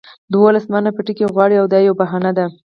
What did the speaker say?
دولس منه بتکۍ غواړي دا یوه بهانه ده.